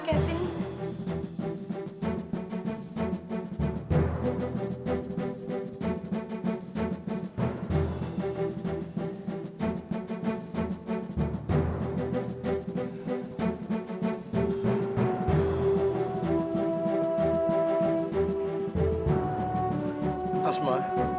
berhati hati dengan asma